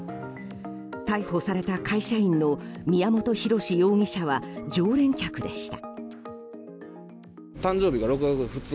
逮捕された会社員の宮本浩志容疑者は常連客でした。